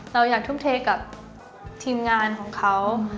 เราอยากทุ่มเทกับทีมงานของเขา